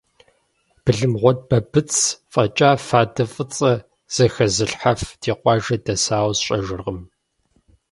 Былымгъуэт Бабыц фӀэкӀа фадэ фӀыцӀэ зэхэзылъхьэф ди къуажэ дэсауэ сщӀэжыркъым.